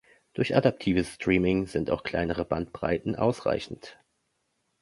Durch adaptives Streaming sind auch kleinere Bandbreiten ausreichend.